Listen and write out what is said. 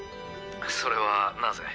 それはなぜ？